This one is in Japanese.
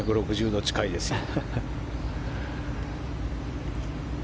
３６０度近いですよ。